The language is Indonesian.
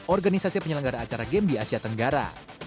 organisasi penyelenggara acara game di asia tenggara